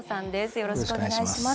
よろしくお願いします。